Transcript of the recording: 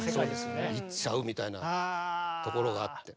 うん。いっちゃうみたいなところがあって。